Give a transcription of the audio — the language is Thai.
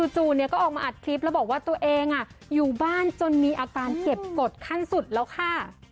จู่ก็ออกมาอัดคลิปแล้วบอกว่าตัวเองอยู่บ้านจนมีอาการเก็บกฎขั้นสุดแล้วค่ะ